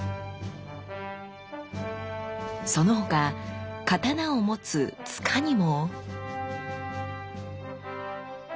その他刀を持つ柄にも。